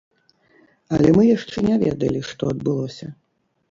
Але мы яшчэ не ведалі, што адбылося.